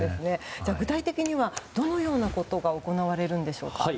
じゃあ、具体的にはどのようなことが行われるんでしょうか。